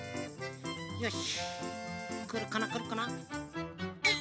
よしくるかなくるかな。